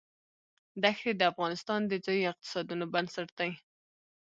دښتې د افغانستان د ځایي اقتصادونو بنسټ دی.